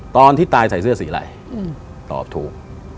ตอนที่ตายใส่เสื้อสีอะไรตอบถูก